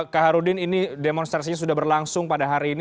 kak harudin ini demonstrasinya sudah berlangsung pada hari ini